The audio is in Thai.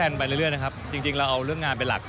กันไปเรื่อยนะครับจริงเราเอาเรื่องงานเป็นหลัก